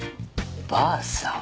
ばあさん。